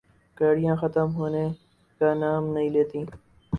گاڑیاں ختم ہونے کا نام نہیں لیتیں۔